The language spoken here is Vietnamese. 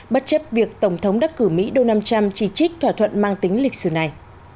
bất chấp việc tổng thống đắc cử mỹ donald trump chỉ trích thỏa thuận mang tính lịch sử này